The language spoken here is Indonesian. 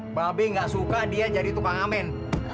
mbak be nggak suka dia jadi tukang amin